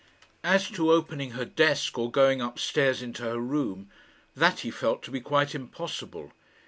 As to opening her desk, or going up stairs into her room, that he felt to be quite impossible.